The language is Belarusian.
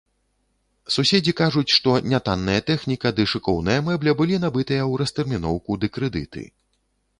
Суседзі кажуць, што нятанная тэхніка ды шыкоўная мэбля былі набытыя ў растэрміноўку ды крэдыты.